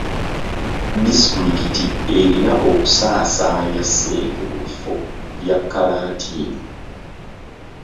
Disitulikiti erina okusaasaanya ssente mu bifo bya kalantiini.